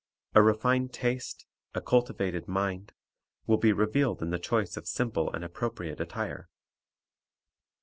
A refined taste, a cultivated mind, will be revealed in the choice of simple and appropriate attire.